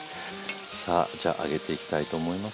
さあじゃあ上げていきたいと思います。